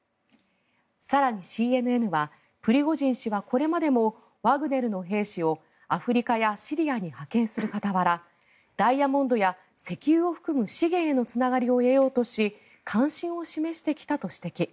更に、ＣＮＮはプリゴジン氏はこれまでもワグネルの兵士をアフリカやシリアに派遣する傍らダイヤモンドや石油を含む資源へのつながりを得ようとし関心を示してきたと指摘。